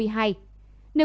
nếu có thể